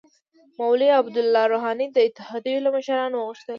مولوی عبدالله روحاني د اتحادیو له مشرانو وغوښتل